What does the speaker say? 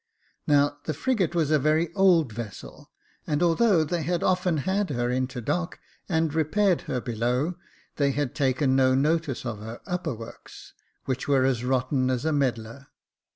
Now, the frigate was a very old vessel, and although they had often had her into dock and repaired her below, they had taken no notice of her upper works, which were as rotten as a medlar.